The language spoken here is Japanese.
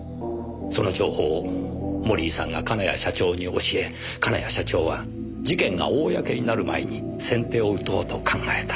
その情報を森井さんが金谷社長に教え金谷社長は事件が公になる前に先手を打とうと考えた。